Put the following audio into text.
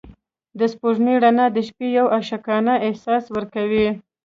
د سپوږمۍ رڼا د شپې یو عاشقانه احساس ورکوي.